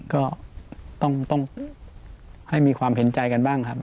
ก็ต้องให้มีความเห็นใจกันบ้างครับ